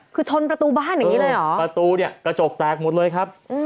คือชนประตูบ้านอย่างนี้เลยเหรอประตูเนี่ยกระจกแตกหมดเลยครับ